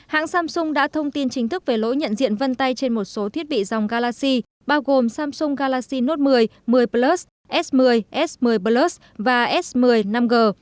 hãng samsung đã thông tin chính thức về lỗi nhận diện vân tay trên một số thiết bị dòng galaxy bao gồm samsung galaxy note một mươi một mươi plus s một mươi s một mươi plus và s một mươi năm g